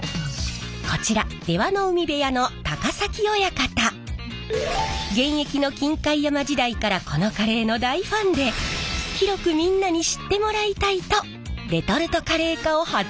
こちら現役の金開山時代からこのカレーの大ファンで広くみんなに知ってもらいたいとレトルトカレー化を発案したんです。